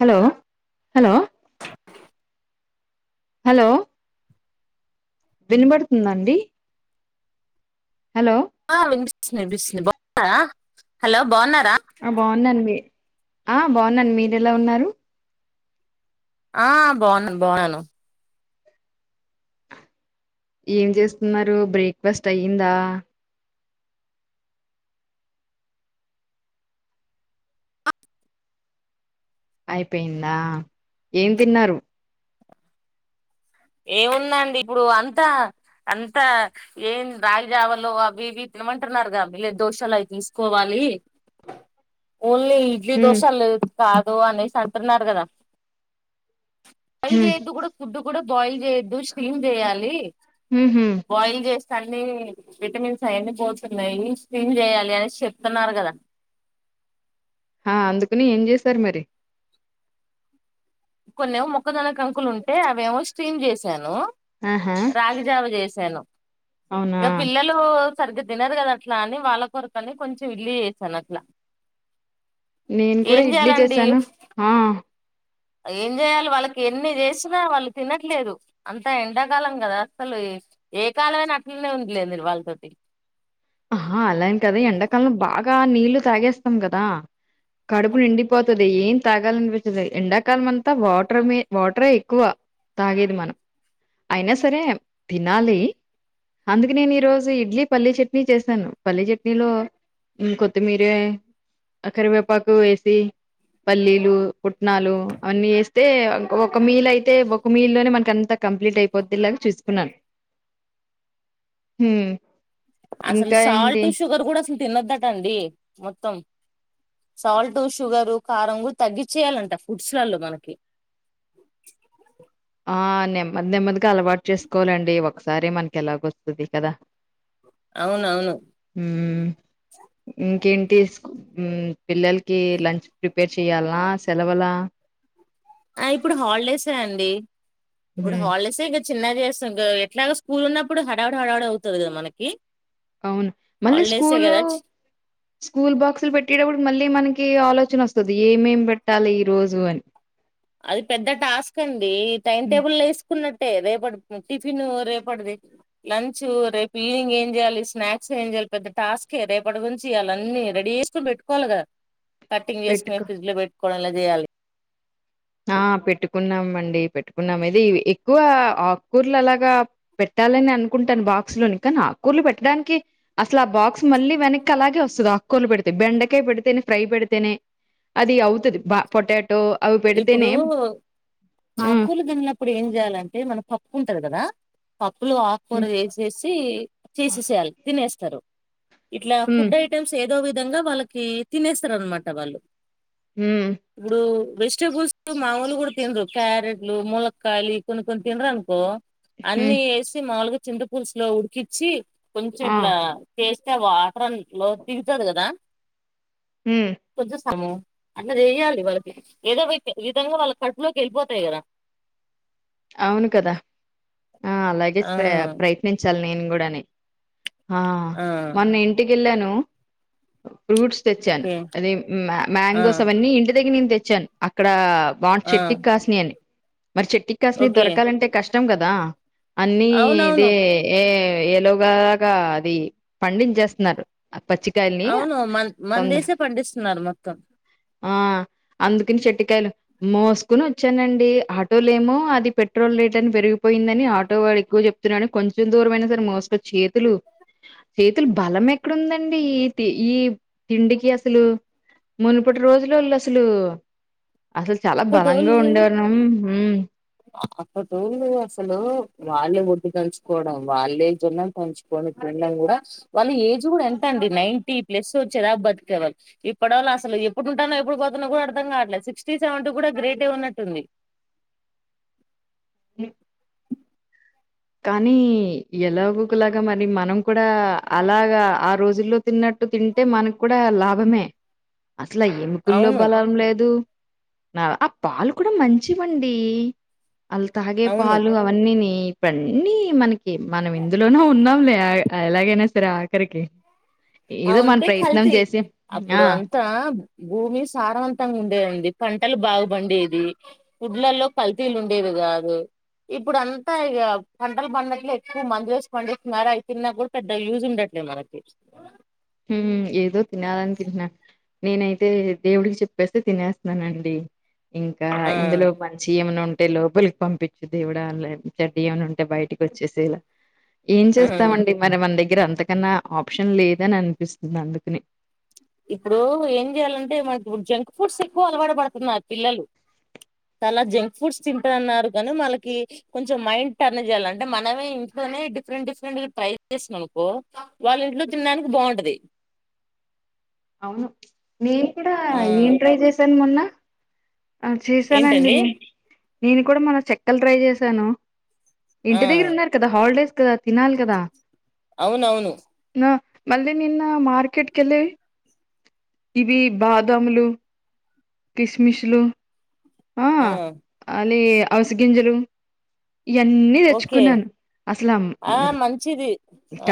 Hello hello hello వినబడుతుందండి hello ఆ వినిపిస్త్ వింపిస్తు వినిపిస్తు బానరా హలో బాగునా ఆ బాగున్నాను మీ ఆ బాగున్నాన్ మీరు ఎలా ఉన్నారు ఆ బాగున్నాం బాగున్నమ్ ఏం చేస్తున్నారు బ్రేక్ఫాస్ట్ అయ్యిందా అయిపోయిందా ఏం తిన్నారు ఏముందండి ఇప్పుడు అంతా అంతా ఏం రాగిజావాలో అవి ఇవి తినమంటున్నారుగాలే మిల్లెల్ దోషలు అవి తీసుకోవాలి. ఓన్లీ ఇడ్లీ హ్మ్ దోశల్లేవ్ కాదు అనేసి అంటున్నారు కదా పై హ్మ్ ఎ కూడా ఫుడ్ కూడా బయిల్ చేయదు స్మ్ చేయాలి ఊహూ బాయిల్ చే అన్నీ విటమిన్స్ అవన్నీ పోతున్నాయి స్విమ్ చేయాలి అని చెప్తున్నారు కదా ఆ అందుకుని ఏం చేశారు మరి కొన్నిమో మొక్కదన కంకులు ఉంటే అవేమో స్ట్రీమ్ చేసాను ఆహా రాగిజావ చేశాను అవునా ఇక పిల్లలు సరిగ్గా తినరు కదా అట్లా అని వాళ్ళ కొరకని కొంచెం ఇడ్లీ చేసాను అట్లా నేను కూడా ఏం ఇడ్లీ చేయాలండి చేసాను ఆ ఏం చేయాలి వాళ్ళకి ఎన్ని చేసినా వాళ్ళు తినట్లేదు అంతా ఎండాకాలం కదా అసలు ఏ కాలమైన అట్లనే ఉందిలేదు వాళ్ళతోటీ ఆ అలాని కదా ఎండాకాలం బాగా నీళ్లు తాగేస్తాం కదా కడుపు నిండిపోతుంది ఏం తాగాలనిపించది ఎండాకాలం అంతా వాటర్ వాటరే ఎక్కువ తాగేది మనం అయినా సరే తినాలి అందుక నేను ఈరోజు ఇడ్లీ పల్లీ చెట్ చట్నీ చేశాను పల్లీ చట్నీలో కొత్తిమీరే అ కరివేపాకు వేసి పల్లీలు పుట్నాలు అవన్నీ వేస్తే ఒక మీల్ అయితే ఒక మీల్ లోనే మనక అంతా కంప్లీట్ అయిపోద్ లాగా చూసుకున్నాను అసలు ఇంకా ఏంటి సాల్ట్ సుగర్ క కూడా తినొద్దట అండి మొత్తం సాల్ట్ షుగరు కారం కూడా తగ్గించేయాలంట ఫుడ్స్లలలో మనకి ఆ నెమ్మది అలవాటు చేసుకోవాలండి ఒకసారి మనకి ఎలా వస్తుంది కదా అవునవును ఇంకేంటీ పిల్లలకి లంచ్ ప్రీ పేర్ చేయాలలా సెలవుల ఆ ఇప్పుడు హాలిడేసే అండి ఇప్పుడు హ్మ్ హాలీడేస్ చిన్నది చేాం ఎట్లాగా స్కూల్ ఉన్నప్పుడు హడావిడి హడావిడి అవుతుంది కదా మనకి అవును మళ్ళీ హాలిడేసే స్కూల్ కదా స్కూల్ బాక్సులు పెట్టేటప్పుడు మళ్ళీ మనకి ఆలోచన వస్తుంది ఏమేం పెట్టాలి ఈ రోజు అని అది పెద్ద టాస్క్ అండి ఈ టైం హ్మ్. టేబుల్ వేసుకున్న అంటే రేపటి టిఫిన్ రేపటిది లంచ్ రేపు ఈవినింగ్ ఏం చేయాలి స్నాక్స్ ఏం చేయాలి పెద్ద టాస్కే రేపటి నురించి ఇళన్నీ రెడీ చేసుకుొని పెట్టుకోవాలి కదా కటింగ్ చేకునేే పెట్టుకో ఫ్రిజ్ లో పెట్ కులా చేయాలి ఆ పెట్టుకున్నాం అండి పెట్టుకున్నాం ఇది ఎక్కువ ఆకుకూర్లు అలాగా పెట్టాలని అనుకుంటాను బాక్స్ లోని కానీ ఆకుకూర్లు పెట్టడానికి అసలు ఆ బాక్స్ మళ్ళీ వెనక్ అలాగే వస్తుంది ఆకుకూర్లు పెడితే బెండకాయ పెడితేనే ఫ్రై పెడితేనే అది అవుతుంది బ పొటాటో అవి ఇప్పుడు పెడితేనే హ్మ్ ఆకులు తన్ననప్పుడు ఏం చేయాలంటే మనం పప్పుంట కదా పప్పులు ఆకుకూర హ్మ్ వేసేసి చేసేసేయాలి తినేస్తారు ఇట్లా హ్మ్ ఫుడ్ ఐటమ్స్ ఏ ఏదో విధంగా వాళ్ళకి తినేస్తారు అనమాట వాళ్ళు హ్మ్ ఇప్పుడూ చ్చస్ మాముూలు కూడా తినురూ క్యారెట్లు ములక్కకాయలు ఈ కొన్ని కొన్ని తినరూ అనుకో హ్మ్. అన్నీ వేసి మాములుగా చింత పులుసు లో ఉడికిచ్చి కొంచెం ఆ ఇట్లా టేస్ట్ అంటే వాటరల్ లో దిగుతది కదా హ్మ్ కొది సము అట్లా చెయ్యాలి వాళ్ళకి ఏదో విద్ విధంగా వాళ్ళ కడుపులోకి వెళ్ళిపోతాయి కదా అవును కదా ఆ అలాగే ఆ ప్రయత్నించాలి నేను కూడానే ఆ మొన్న ఇంటికిెళ్ళాను ఆ ఫ్రూట్స్ తెచ్చాన్ ఓకే అదే ఆ మ్యాంగోస్ అవన్నీ ఇంటి దగ్గర నుంచి తెచ్చాన్ అక్కడ బాగ్ ఆ చెట్కి కాసినయని మరి చెట్ కస్ ని ఓకే దొరకాలంటే కష్ ఇష్టం కదా అన్నీ ఇదే అవునవును ఏ ఏలో బాగా అది పండించేస్తున్నారు ఆ పచ్చికాయల్ని అవును మన్ తొందర మందేసే పండిస్తున్నారు మొత్తం ఆ అందుకని చెట్టికాయలు మోసుకొని వచ్చానండి ఆటోలేమో ఆది పెట్రోల్ రేట్ అని పెరిగిపోయిందని ఆటో వాడు ఎక్కువ చెప్తున్నాడు కొంచెం దూరమయినా సరే మోస్కొచ్చి చేతులు చేతులు బలమెక్కుడుందండి ఈతి ఈ తిండికి అసలు మునుపటి రోజ్లలో అస్ సులు అసలు చాలా బలంగా అప్పటోళ్ళు ఉండేవారం మ్మ్ అప్పటోళ్ళు అసలు వాళ్ళే ఒడ్లు దంచుకోవడం వాళ్ళే జొన్నం తంచుకోని తినడం కూడా వాళ్ళు ఏజ్ కూడా ఎంత అండి నైన్టీ ప్లస్ వచ్చేదా బతికే వాళ్ళు ఇప్పడోళ్ళు అసలు ఎప్పుడు ఉంటానో ఎప్పుడు పోతనో కూడా అర్ధం కావట్లేదు సిక్స్ సిక్స్ సెవెంటీ కూడా గ్రేటె ఉన్నట్టుంది కానీ ఎలాగో ఒకలాగా మరి మనం కూడా అలాగా ఆ రోజుల్లో తిన్నట్టు తింటే మనకు కూడా లాభమే అసలా ఎమికల్లో అవును బలం లేదు నా ఆ పాలు కూడా మంచివండి అల్ తాగే అవును పాలు అవన్నీ నెయ ఇవన్నీ మన్ కీ కీ మనం ఇందులోన ఉన్నాంలే ఎలాగైనా స వి ఆఖరికి ఏదో మన అవుంతే ప్రయత్నం కలిసి చేసి అప్పుడు ఆ అంతా భూమి సారవంతంగా ఉండేదండి పంటలు బాగా పండేది గుడ్లలో కల్తీలు ఉండేది కాదు ఇప్పుడు అంతా ఇక పంటలు పండినట్లే ఎక్కువ మందు వేసి పండిస్తున్నారు అవి తిన్నా కూడా పెద్ద యూజ్ ఉండట్లేదు మనకి ఏదో తినాలని తింటున్నాను నేనైతే దేవుడికి చెప్పేస్తే తినేస్తున్నానండి ఇంకా ఆ ఇందులో మంచి ఏమన్నా ఉంటే లోప పంపించు దేవుడ చెడ్డ ఏని ఉంటే బయటికి వచ్చేసేల ఏం హ్మ్ చేస్తామండి మరి మన గర అంతకన్నా ఆప్షన్ లేదని అ అనిపిస్తుంది అందుకని ఇప్పుడు ఏం చెయ్యాలంటే మనకి ఇప్పుడు జంక్ ఫుడ్స్ ఎక్కువ అలవాటు పడుతున్నారు పిల్లలు చాలా జంక్ ఫుడ్స్ అన్నారు కానీ మనకి కొంచెం మైండ్ టర్న్ చేయాలంటే మనమే ఇంట్లోనే డిఫరెంట్ డిఫరెంట్ ట్రై చేసినం అనుకో వాళ్ళ ఇంట్లో తినడానికి బాగుంటది అవును నేను కూడా ఆ ఏం ట్రై చేశాను మొన్న ఆ చేశానండి ఏంటండి నేను నేను కూడా మొన్న చెక్కలు ట్రై చేశాను ఆ ఇంటి దగ్గర ఉన్నారు కదా హాలిడేస్ క తినాలి కదా అవునవును మళ్లీ నిన్న మార్కెట్ కెళ్ళి ఇది బాదములు. కిస్మిస్లు ఆ అలీ అవిస గింజలు ఇవన్నీ ఓకే తెచ్చుకున్నాను అసలు ఆ అందురు మంచిది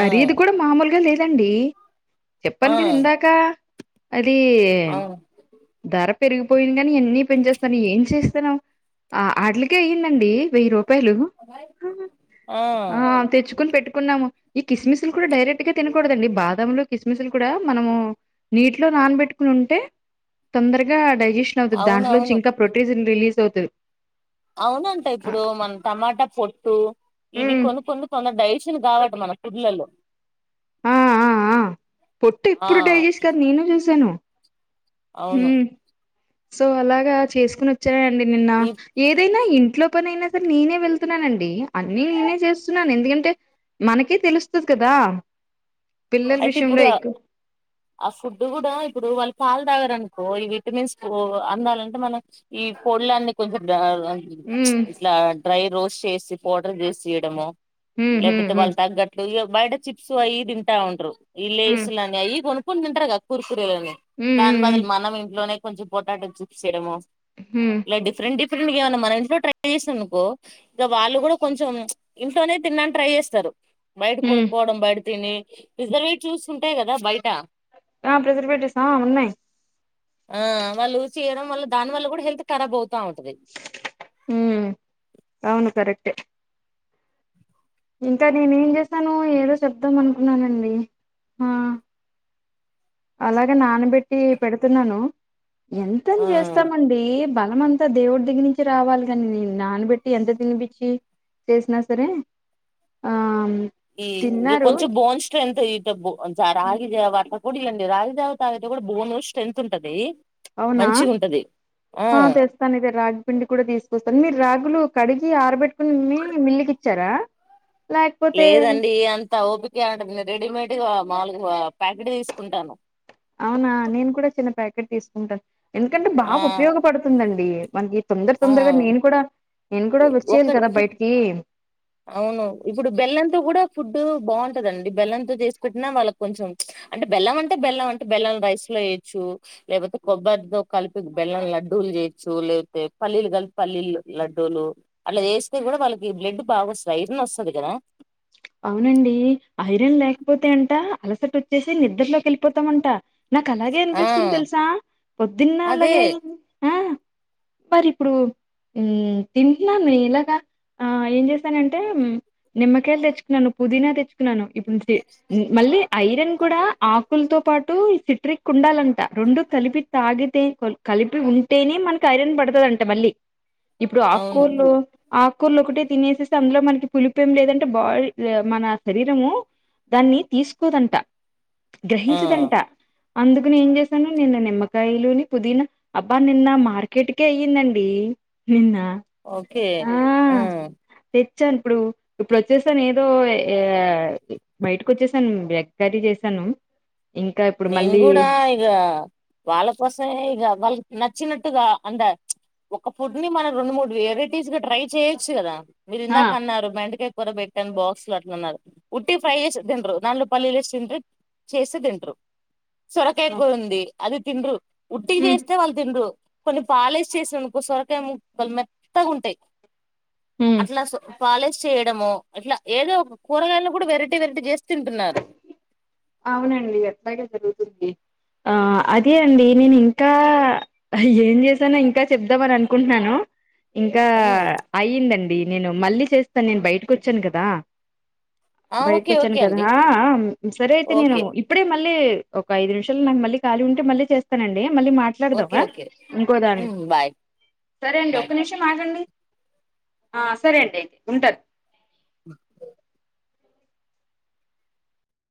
ఆ కూడా మాములె ల్గా లేదండి ఆ చెప్పను కదా ఇందాక అది ది అవు దర పెరిగిపోయింది అన్ని పెనించేస్తాను ఏం చేస్తాను ఆ ఆటలకే అయ్యిందండి వెయ్యి రూపాయలు ఆ తెచ్చుకుని పెట్టు కున్నాము ఈ కిస్మిస్ లు కూడా డైరెక్ట్ గా తినకూడదండి బాదంలు కిస్మిస్ కూడా మనము నీటిలో నానబెట్టుకుంటే తొందరగా ఆ డైజేషన్ న్ అవుతుంది దాంట్లో నుంచి అవునవును ఇంకా ప్రోటీన్ రిలీస్ అవుతది అవునంట ఇప్పుడు మన టమాటా పొట్టు ఇవి ఉమ్ కొన్ని కొన్ని తొందరగా డిజేషన్ కావు అట్ట మన ఫుడ్సలో పొట్ట ఇప్పుడు డైజెస్ట్ కదదు నేను చూశాను అవును ఉమ్ సో అలాగా చేసుకున్న తినను అండి నిన్న ఈ ఏదైనా ఇంట్లో పనిఐన బట్ నేనే వెళ్తున్నాను అండి అన్ని నేనే చేస్తున్నాను ఎందుకంటే మనకే తెలుస్తది కదా పిల్లల అయితే విషయంలో ఇప్పుడు ఎక్కువ ఆ ఫుడ్ కూడా ఇప్పుడు వాళ్ళు పా లు తాగరనుకో ఈ విటమిన్స్ కో అందాలంటే ఈ పొడిలన్నీ హ్మ్ ఇలా డ్రై రోస్ట్ చేసి పోర్డర్ చేసి ఇడమో హ్మ్ హ్మ్ లెపోతే హ్మ్ వాళ్లకు తగ్గట్టు గా బయట చిప్స్ అయ్యి ఇవి ఉంటా ఉంటారు ప్లేస్ హ్మ్ లను అయ్యిఇయ్యి కనుక్కో గా కురు హ్మ్ దాని హ్మ్ బదులు మనం ఇంట్లోనే కొంచం పొటాటో జూప్స్ చేయడమ హ్మ్ ఇ డిఫరెంట్ డిఫ ఇక ఏమన్నా మన ఇంట్లో ట్రై చేసా అనుకో ఇంక వాళ్ళు కూడా కొంచెం ఇంట్లోనే తిననికి ట్రై చేస్తారు బయట కొను హ్మ్ పోవడం బయట తని రిజర్వే చూస్తుంటాయి కదా బయట ఆ ప్రజర్ పెటసా ఉన్నాయి ఆ వాళ్ళు చేయడం వల్ల దా వల్ల కూడా హల్త్ ఖరాబ్ అవుంది కాాత్కై హ్మ్ అవును కరెక్టే ఇంకా నేనే ఏం చేసాను ఏదో చెప్దాం అనుకున్నానండి ఆ అలాగే నానబెట్టి పెడుతున్నాను ఆ ఎంతని చేస్తామండి బల అంతా దేవుడి దగ్గర నుంచి రావాలి కాని నేను నానబెట్టి ఎంత తినిపచ్చి చేసినా సరే ఆ ఈ ఇక తిన్నారు కొంచెం బోన్ స్ట్రెంత్ రాగి దేవత కూడా ఇల్ండి రాగి దేవత అయితే కూడా బోన్ స్ట్రెంత్ ఉంటది అవునా మంచిగా ఉంటది ఆ తెస్తాను ఇద రాగి పిండి కూడా తీసుకొస్తాను మీరు రాగులు కడిగి ఆర్బెట్ ప్పు మిలి విచ్చార లేదండి అంత ఓపిక అంట రెడీమేడ్ మా ను్ ప్యాకెట్ తీసుకుంటాను అక్క తీసుకుంటారు ఎందుకంటే ఆ బాగా ఉపయోగపడుతుందండి మజ తొందర ఆ తొందరగా నేను కూడా నేను కూడా ఒక వచ్చేయాలి కదా బయటికి అవును ఇప్పుడు బెల్లంతో కూడా ఫుడ్ బాగుంటదండి బెల్లంతో చేసుకుట్టినా వాళ్ళకి కొంచెం అంటే బెల్లం అంటే బెల్ం అంటే బెల్లం రైస్ లో వయచ్చు లేకపోతే కొబ్బరితో కలిపి బెల్లం లడ్డూలు చేయచ్చు లేకపోతే పల్లీలు కలిపి పల్లీలు లడ్డూలు అలా చేస్తే కూడా వాళ్ళకి బ్లెడ్ బాగు వస్ ఇన్న వస్తం అదిగనా అవునండి ఐరన్ లేకపోతే అంట అలసట వచ్చేసి నిద్రలోకి వెళ్ళిపోతామంట నాకు అలాగే ఆ అనిపిస్తుంది తెలుసా పొద్దున్న అదే అలాగే అయింది మరి ఇప్పుడు తింటున్నాను ఇలాగా ఆ ఏం చేస్తానంటే నిమ్మకాయలు తెచ్చు పుదీనా తెచ్చుకున్నాను ఇప్పుడు మళ్ళీ ఐరన్ కూడా ఆకులతో పాటు సిట్రిక్ ఉండాలంట రెండు కలిపి తాగితే కలిపి ఉంటేనే మనకి ఐరన్ పడతుదంట మళ్ళీ ఇప్పుడు ఆ అవును కూళ్ళ ఆ కూర్లు ఒకే తినేసే అందులో మనకి పులిప ఏం లేదంటే బా మన శరీరము దాన్ని తీసుకోదంట ఆ గ్రహించదంట అందుకుని ఏం చేసాను నిన్న నిమ్మకాయలుని పుదీనా అబ్బా నిన్న మార్కెట్కే అయ్యిందండి నిన్న ఓకే ఆ వచ్చాను ఇప్పుడు ఇప్పుడు వచ్చేస్తాను ఏ ో బయటకు వచ్చేసాను వెక్కరీ చేసాను నేను కూడా ఇక వాళ్ళ కోసమే ఇక వాళ్ళకి నచ్చిన అంద ఒక ఫుడ్ ని మనం రెండు మూడు వెరైటీస్ ట్రై చేయొచ్చు కదా మీీరు ఆ ఇందాక అన్నారు మెంటక కూడా పెట్టాను బాక్సులు అట్లున్నారు ఉట్టి ఫ్రై చేసి తిండు నాలుగు పల్లీలు ఎస్ తిన్్రి చేస్త తిండు సురకాయ కూ ఉంది అది తిన్ ఉట్టికి హ్మ్ చేస్తే వాళ్ళు తిినరు కొన్ని పాలేస్ చేసిననుకో సొరకాయ ముక్కలు మెత్తగా ఉంటాయి హ్మ్ అట్లా సో పాలిష్ చేయడము ఇట్లా ఏదో ఒక కూరగాయలను కూడా వెరైటీ వెరైటీ చేస్త తింటున్నారు అవునండి అట్లాగే జరుగుతుంది ఆ అదే అండి నేను ఇంకా ఏం చేసానో ఇంకా చెప్దామని అనుకుంటున్నాను ఇంకా ఉమ్, అయి్యిందండి నేను మళ్ళీ చేస్తాను నేను బయటకు వచ్చాను కదా ఆ ఓకే బయకుచ్చన్ ఓకే కద అండి సరే అయితే నేను ఓకే ఇప్పుడే మళ్ళీ ఒక ఐదు నిమిషాలు నాకు మళ్ీ ఖాీ ఉంటే మళ్ళీ చేస్తానండి మళ్ళీ ఓకే మాట్లాడదావా ఓకే ఇంకోదాని హ్మ్. బాయ్. సరే అండి బాయ్. ఒక నిమిషం ఆగండి ఆ సరే అండి అయితే ఉంటంది